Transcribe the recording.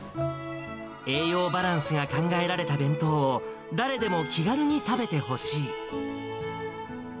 栄養バランスが考えられた弁当を、誰でも気軽に食べてほしい。